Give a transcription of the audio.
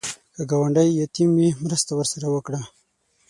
که ګاونډی یتیم وي، مرسته ورسره وکړه